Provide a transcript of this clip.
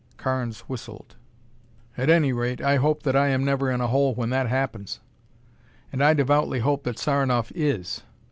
Carnes whistled. "At any rate, I hope that I am never in a hole when that happens." "And I devoutly hope that Saranoff is.